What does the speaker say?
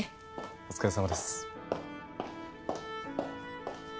お疲れさまです。